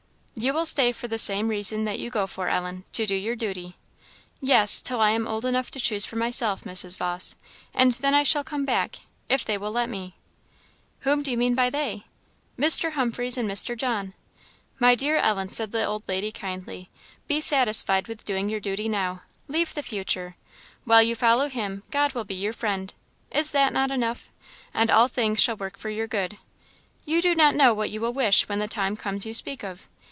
"You will stay for the same reason that you go for, Ellen, to do your duty." "Yes, till I am old enough to choose for myself, Mrs. Vawse, and then I shall come back if they will let me." "Whom do you mean by 'they?' " "Mr. Humphreys and Mr. John." "My dear Ellen," said the old lady, kindly, "be satisfied with doing your duty now; leave the future. While you follow him, God will be your friend is not that enough? and all things shall work for your good. You do not know what you will wish when the time comes you speak of.